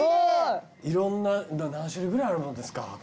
いろんな何種類ぐらいあるもんですか？